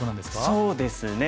そうですね。